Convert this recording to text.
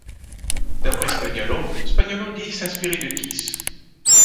D'après Spaniolo, Spaniolo dit s'inspirer de Kiss.